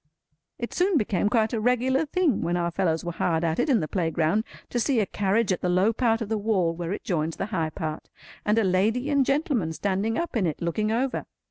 It soon became quite a regular thing when our fellows were hard at it in the playground, to see a carriage at the low part of the wall where it joins the high part, and a lady and gentleman standing up in it, looking over.